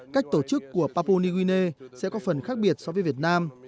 cách tổ chức của papua new guinea sẽ có phần khác biệt so với việt nam